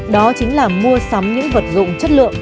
đó chính là mua sắm những vật dụng chất lượng